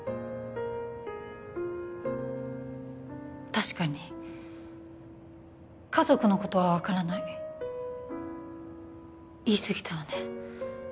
確かに家族のことは分からない言い過ぎたわね